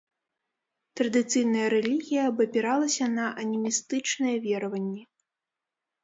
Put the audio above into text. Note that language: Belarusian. Традыцыйная рэлігія абапіралася на анімістычныя вераванні.